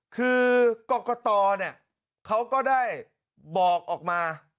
คือกรกฎเนี่ยเขาก็ได้บอกออกมา